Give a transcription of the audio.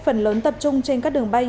phần lớn tập trung trên các đường bay